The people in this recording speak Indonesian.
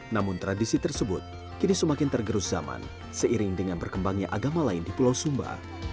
namun tradisi tersebut kini semakin tergerus zaman seiring dengan berkembangnya agama lain di pulau sumba